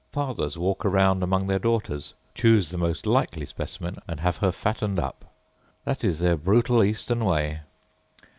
Fathers walk round among their daughters, choose the most likely specimen, and have her fattened up. That is their brutal Eastern way.